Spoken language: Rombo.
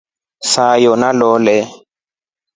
Sayo nalole.